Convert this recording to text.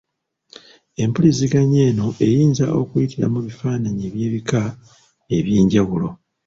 Empuiziganya eno eyinza okuyitira mu bifaananyi eby'ebika eby'enjawulo.